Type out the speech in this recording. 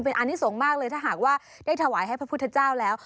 เป็นอันนี้สงฆ์มากเลยถ้าหากว่าได้ถวายให้พระพุทธเจ้าแล้ว